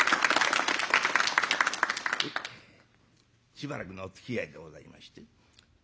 しばらくのおつきあいでございまして。